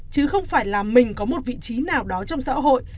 chứ không phải là mình có một vị trí nào đó trong xã hội